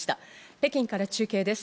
北京から中継です。